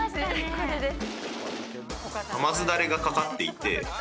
「これです」